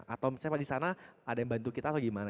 atau misalnya pas di sana ada yang bantu kita atau gimana